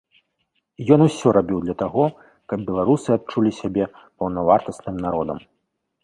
Ён усё рабіў для таго, каб беларусы адчулі сябе паўнавартасным народам.